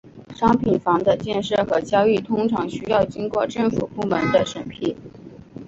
商品房的建设和交易通常需要经过政府部门的审批。